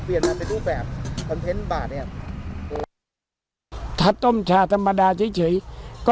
เปลี่ยนมาไปดูแบบคอนเทนต์บาดเนี้ยครับถ้าต้มชาธิ์ธรรมดาเฉยเฉยก็